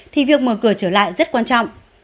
thì việc mở cửa trở lại rất quan trọng